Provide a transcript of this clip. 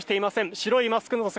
白いマスク姿。